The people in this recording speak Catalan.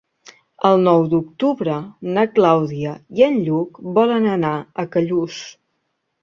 El nou d'octubre na Clàudia i en Lluc volen anar a Callús.